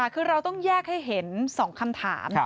คือเราต้องแยกให้เห็น๒คำถาม